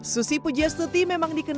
susi pujastuti memang dikatakan